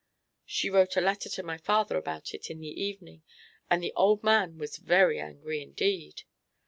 She wrote a letter to my father about it in the evening, and the old man was very angry indeed.